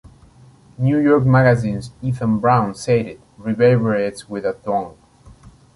"New York Magazine"s Ethan Brown said it "reverberates with a thwong".